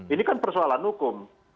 ini kan persoalan hukum